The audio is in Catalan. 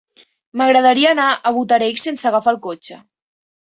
M'agradaria anar a Botarell sense agafar el cotxe.